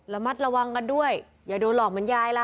ระมัดระวังกันด้วยอย่าโดนหลอกเหมือนยายล่ะ